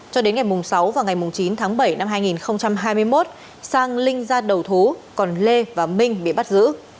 cho đến ngày sáu và ngày chín tháng bảy năm hai nghìn hai mươi một sang linh ra đầu thú còn lê và minh bị bắt giữ